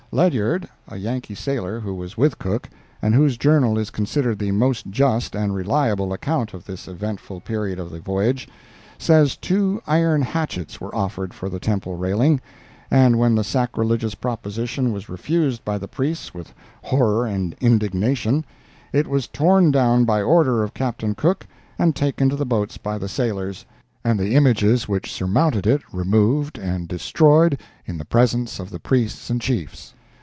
Ledyard, a Yankee sailor, who was with Cook, and whose journal is considered the most just and reliable account of this eventful period of the voyage, says two iron hatchets were offered for the temple railing, and when the sacrilegious proposition was refused by the priests with horror and indignation, it was torn down by order of Captain Cook and taken to the boats by the sailors, and the images which surmounted it removed and destroyed in the presence of the priests ant chiefs.